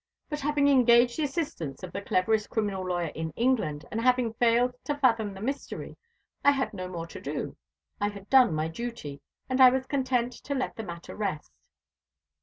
But having engaged the assistance of the cleverest criminal lawyer in England, and he having failed to fathom the mystery, I had no more to do. I had done my duty, and I was content to let the matter rest."